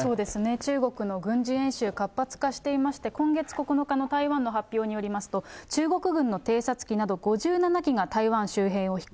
中国の軍事演習、活発化していまして、今月９日の台湾の発表によりますと、中国軍の偵察機など５７機が台湾周辺を飛行。